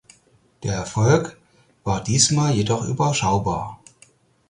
Der Erfolg war diesmal jedoch überschaubar.